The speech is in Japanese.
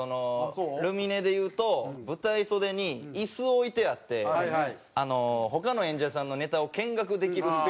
ルミネでいうと舞台袖に椅子置いてあって他の演者さんのネタを見学できるスペースがあるんですよ。